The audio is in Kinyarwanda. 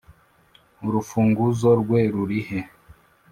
urufunguzo rwe ruri he?